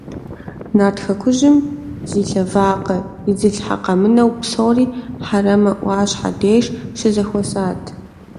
Нарт хэкужьым зи лъэ вакъэ изылъхьэ къэмынэу псори Хьэрэмэ Ӏуащхьэ деж щызэхуэсат.